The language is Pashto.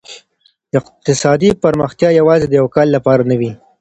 اقتصادي پرمختيا يوازي د يوه کال لپاره نه وي.